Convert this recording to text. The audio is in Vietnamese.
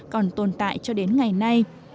còn tồn tại cho đến ngày nay